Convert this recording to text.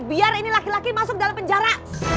biar ini laki laki masuk dalam penjara